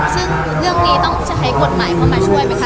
ซึ่งเรื่องนี้ต้องใช้กฎหมายเข้ามาช่วยไหมคะ